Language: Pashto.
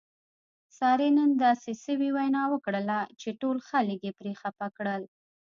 سارې نن داسې سوې وینا وکړله چې ټول خلک یې پرې خپه کړل.